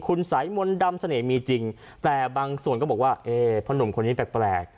คุณสายมนต์ดำเสน่ห์มีจริงแต่บางส่วนก็บอกว่าเอ๊พ่อหนุ่มคนนี้แปลก